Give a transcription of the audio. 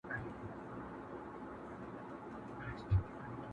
نن گدا وو خو سبا به دنيا دار وو٫